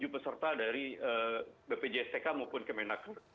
tujuh peserta dari bpjstk maupun kemenaker